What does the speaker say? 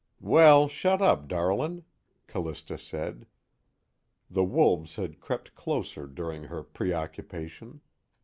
"Well, shut up, darlin'," Callista said. The wolves had crept closer during her preoccupation.